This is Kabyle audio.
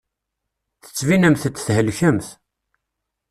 Tettbinemt-d thelkemt.